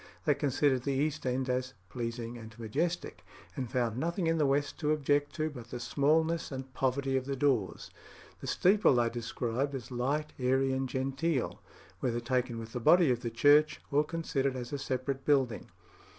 They considered the east end as "pleasing and majestic," and found nothing in the west to object to but the smallness and poverty of the doors. The steeple they described as "light, airy, and genteel." whether taken with the body of the church or considered as a separate building.